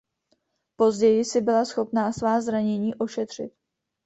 Později si byla schopná svá zranění ošetřit.